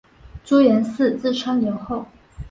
朱延嗣自称留后。